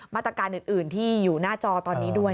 มาตรการอื่นที่อยู่หน้าจอตอนนี้ด้วย